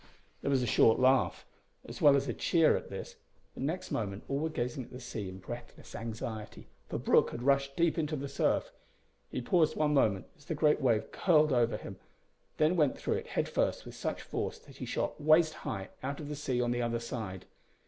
There was a short laugh, as well as a cheer at this; but next moment all were gazing at the sea in breathless anxiety, for Brooke had rushed deep into the surf. He paused one moment, as the great wave curled over him, then went through it head first with such force that he shot waist high out of the sea on the other side.